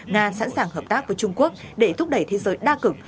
nga sẵn sàng hợp tác với trung quốc để thúc đẩy thế giới đa cực